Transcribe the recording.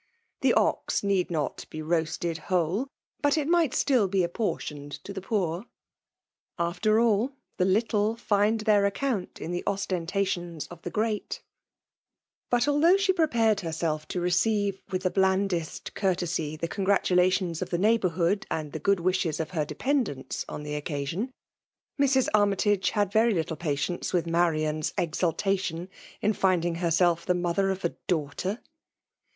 The ox need not be roasted whole ; but it might stQl be apportioned to ihe poor. After all, the little find their account in the ostentations of the great B 2 4 F EMALK DOMINATION* But although she prepared herself to receive" with the blandest courtesy the congratulations of the neighbourhood and the good wishes of her dependents on the occasion^ Mrs. Army tage had very little patience with Marian's exulta tion in finding herself the mother of a daugh ter.